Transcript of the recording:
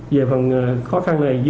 về phần khó khăn này